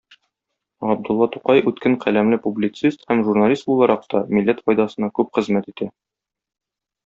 Габдулла Тукай үткен каләмле публицист һәм журналист буларак та милләт файдасына күп хезмәт итә.